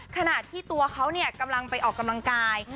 ขณะที่ตัวเขากำลังไปออกกำลังกาย